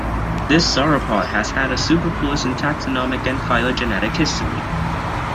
This sauropod has had a superfluous taxonomic and phylogenetic history.